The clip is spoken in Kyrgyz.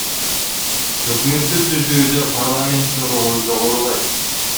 Өкмөттү түзүүдө парламенттин ролу жогорулайт.